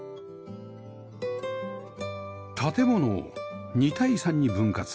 建物を２対３に分割